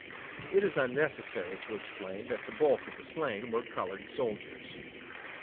It is unnecessary to explain that the bulk of the slain were colored soldiers.